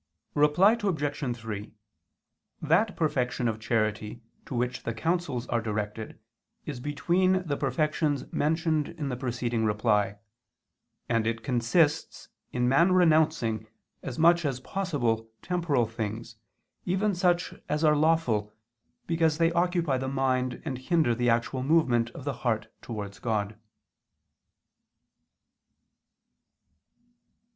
Reply Obj. 3: That perfection of charity to which the counsels are directed, is between the two perfections mentioned in the preceding reply: and it consists in man renouncing, as much as possible, temporal things, even such as are lawful, because they occupy the mind and hinder the actual movement of the heart towards God.